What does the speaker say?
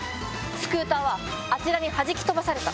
スクーターははじき飛ばされた。